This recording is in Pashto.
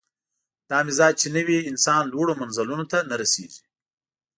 دا مزاج چې نه وي، انسان لوړو منزلونو ته نه رسېږي.